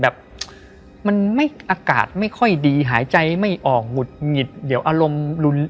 แบบมันไม่อากาศไม่ค่อยดีหายใจไม่ออกหงุดหงิดเดี๋ยวอารมณ์รุน